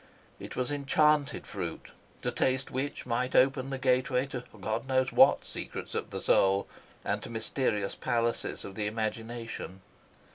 It was enchanted fruit, to taste which might open the gateway to God knows what secrets of the soul and to mysterious palaces of the imagination.